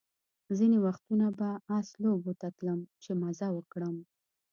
ځینې وختونه به آس لوبو ته تلم چې مزه وکړم.